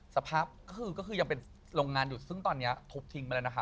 สภาพก็คือก็คือยังเป็นโรงงานอยู่ซึ่งตอนนี้ทุบทิ้งไปแล้วนะคะ